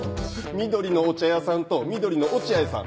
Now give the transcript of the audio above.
「緑のお茶屋さん」と「緑のおチアイさん」。